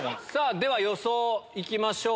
では予想行きましょう。